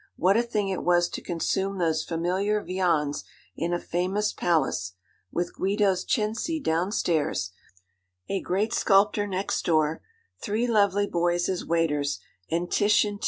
What a thing it was to consume those familiar viands in a famous palace, with Guido's Cenci downstairs, a great sculptor next door, three lovely boys as waiters, and 'Titian T.'